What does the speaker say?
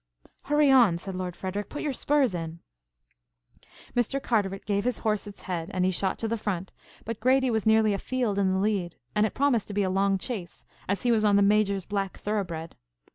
"Hurry on," said Lord Frederic. "Put your spurs in." Mr. Carteret gave his horse its head and he shot to the front, but Grady was nearly a field in the lead, and it promised to be a long chase, as he was on the Major's black thoroughbred.